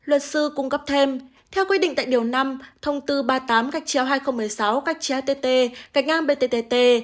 luật sư cung cấp thêm theo quy định tại điều năm thông tư ba mươi tám hai nghìn một mươi sáu att bttt